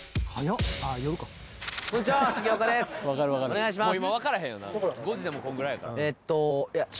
お願いします